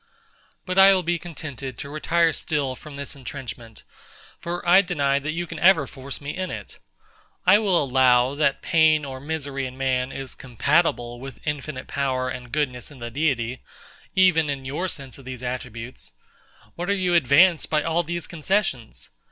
But I will be contented to retire still from this entrenchment, for I deny that you can ever force me in it. I will allow, that pain or misery in man is compatible with infinite power and goodness in the Deity, even in your sense of these attributes: What are you advanced by all these concessions?